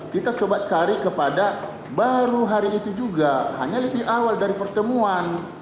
kita coba cari kepada baru hari itu juga hanya lebih awal dari pertemuan